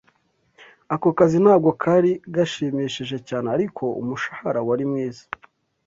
Ako kazi ntabwo kari gashimishije cyane. Ariko, umushahara wari mwiza.